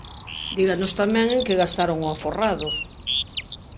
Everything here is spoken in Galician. Díganos tamén en que gastaron o aforrado.